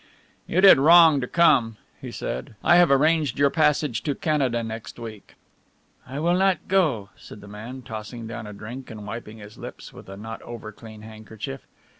"You did wrong to come," he said, "I have arranged your passage to Canada next week." "I'll not go!" said the man, tossing down a drink and wiping his lips with a not over clean handkerchief.